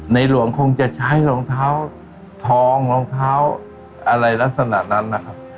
หลวงคงจะใช้รองเท้าทองรองเท้าอะไรลักษณะนั้นนะครับ